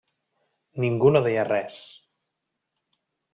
Ningú no deia res.